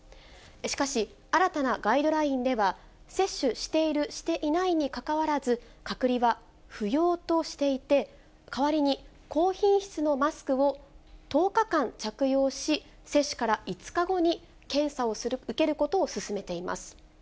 しかし、新たなガイドラインでは、接種している、していないにかかわらず、隔離は不要としていて、代わりに高品質のマスクを１０日間着用し、接種から５日後に検査を受けることを勧めています。